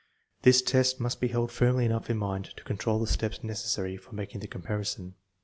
5 This must be held firmly enough in mind to control the steps necessary for making the comparison.